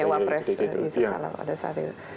ya wapres yusuf kalla pada saat itu